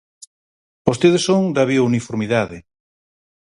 Vostedes son da biouniformidade.